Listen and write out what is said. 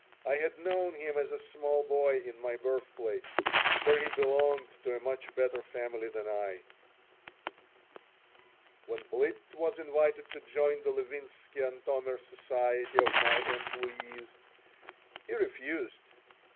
I had known him as a small boy in my birthplace, where he belonged to a much better family than I When Blitt was invited to join the Levinsky Antomir Society of my employees he refused.